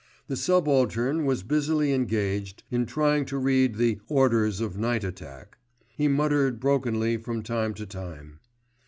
The subaltern was busily engaged in trying to read the "Orders of Night Attack." He muttered brokenly from time to time.